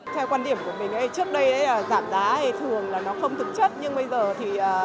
theo quan điểm của mình trước đây giảm đá thường là nó không thực chất